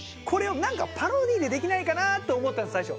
これをパロディでできないかなと思ったんです